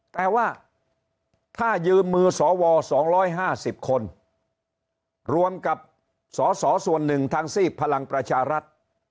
แต่ว่าถ้ายืมมือสว๒๕๐คนรวมกับสส๑ทางซีพพลังประชารัฐ